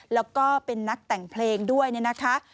แล้วก็เป็นนักแต่งเพลงด้วยเนี่ยนะคะ